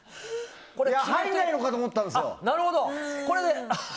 入らないのかと思ったんですよ。